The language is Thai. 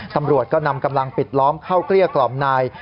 ตำรวจก็นำกำลังปิดล้อมเข้าเกลี้ยกล่อมนาย